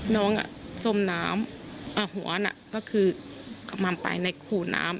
น้องอ่ะส้มน้ำอ่ะหัวน่ะก็คือกลับมาไปในขู่น้ำ